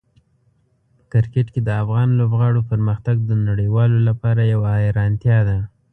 په کرکټ کې د افغان لوبغاړو پرمختګ د نړیوالو لپاره یوه حیرانتیا ده.